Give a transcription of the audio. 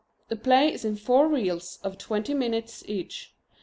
The play is in four reels of twenty minutes each.